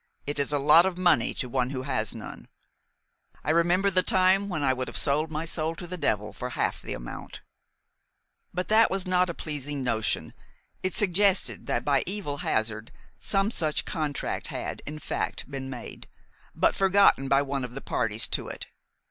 "It is a lot of money to one who has none. I remember the time when I would have sold my soul to the devil for half the amount." But that was not a pleasing notion. It suggested that, by evil hazard, some such contract had, in fact, been made, but forgotten by one of the parties to it.